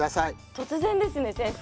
突然ですね先生。